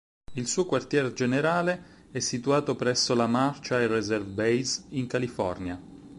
Il suo quartier generale è situato presso la March Air Reserve Base, in California.